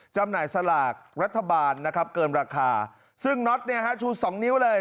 จำหน่ายสลากรัฐบาลนะครับเกินราคาซึ่งน็อตเนี่ยฮะชูสองนิ้วเลย